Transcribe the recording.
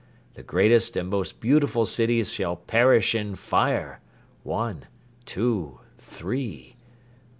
The greatest and most beautiful cities shall perish in fire ... one, two, three.